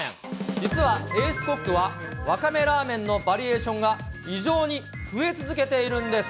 実はエースコックはわかめラーメンのバリエーションが異常に増え続けているんです。